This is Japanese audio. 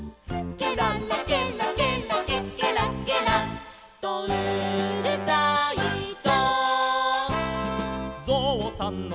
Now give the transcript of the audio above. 「ケララケラケラケケラケラとうるさいぞ」